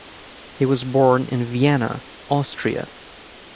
He was born in Vienna, Austria.